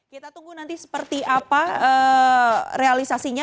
kita tunggu nanti seperti apa realisasinya